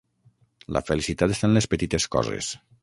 La felicitat està en les petites coses